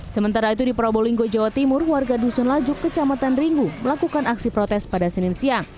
sementara itu di probolinggo jawa timur warga dusun lajuk kecamatan ringu melakukan aksi protes pada senin siang